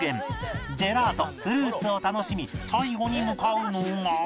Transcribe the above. ジェラートフルーツを楽しみ最後に向かうのが